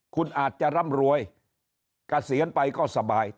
คุณอาจจะร่ำรวยเกษียณไปก็สบาย